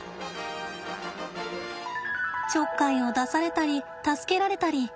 ちょっかいを出されたり助けられたり。